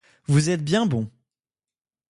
Vous êtes bien bon.